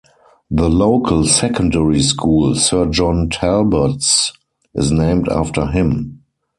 The local secondary school, Sir John Talbot's, is named after him.